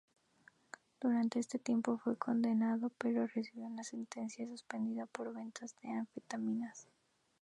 Durante este tiempo fue condenado pero recibió una sentencia suspendida por venta de anfetaminas.